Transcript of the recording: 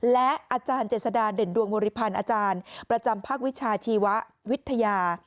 และอาจารย์เจษฎาเด่นดวงบริพันธ์อาจารย์ประจำภาควิชาชีววิทยา